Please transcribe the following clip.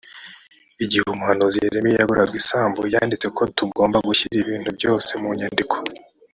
igihe umuhanuzi yeremiya yaguraga isambu yanditse ko tugomba gushyira ibintu byose mu nyandiko